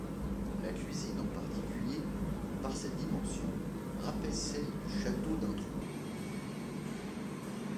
La cuisine en particulier, par ses dimensions, rappelle celle du château d'Introd.